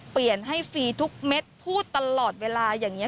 เปลี่ยนให้ฟรีทุกเม็ดพูดตลอดเวลาอย่างนี้